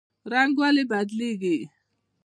رنګ ولې بدلیږي؟